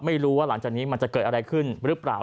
ไม่รู้ว่าหลังจากนี้มันจะเกิดอะไรขึ้นหรือเปล่า